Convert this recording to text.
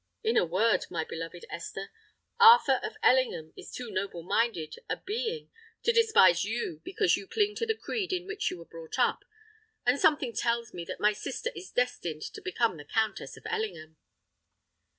In a word, my beloved Esther, Arthur of Ellingham is too noble minded a being to despise you because you cling to the creed in which you were brought up; and something tells me that my sister is destined to become the Countess of Ellingham."